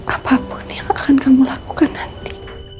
apa pun yang akan kamu lakukan nanti